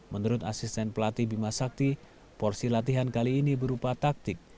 menurut asisten pelatih bima sakti porsi latihan kali ini berupa taktik